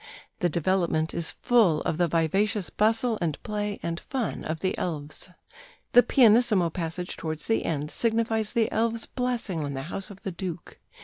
The development is full of the vivacious bustle and play and fun of the elves; ... the pianissimo passage towards the end ... signifies the elves' blessing on the house of the Duke.